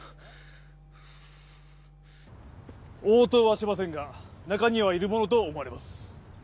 応答はしませんが中にはいるものと思われます